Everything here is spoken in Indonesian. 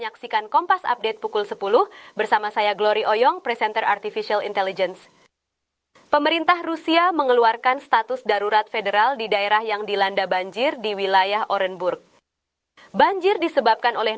kompas update yang didukung oleh